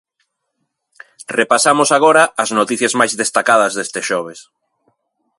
Repasamos agora as noticias máis destacadas deste xoves.